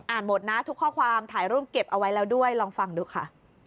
หมดนะทุกข้อความถ่ายรูปเก็บเอาไว้แล้วด้วยลองฟังดูค่ะ